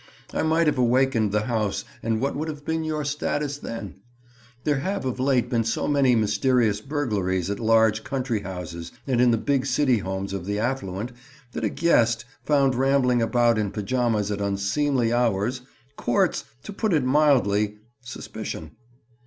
I might have awakened the house and what would have been your status then? There have of late been so many mysterious burglaries at large country houses and in the big city homes of the affluent that a guest, found rambling about in pajamas at unseemly hours, courts, to put it mildly, suspicion.